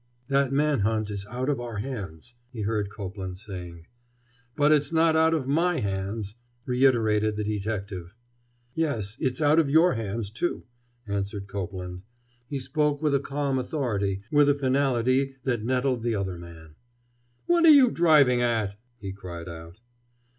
"That man hunt is out of our hands," he heard Copeland saying. "But it's not out of my hands!" reiterated the detective. "Yes, it's out of your hands, too," answered Copeland. He spoke with a calm authority, with a finality, that nettled the other man. "What are you driving at?" he cried out.